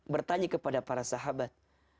bertanya kepada para sahabat